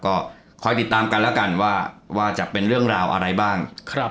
ก็คอยติดตามกันแล้วกันว่าจะเป็นเรื่องราวอะไรบ้าง